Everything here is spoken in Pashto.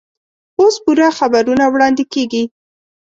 اوس پوره خبرونه واړندې کېږي.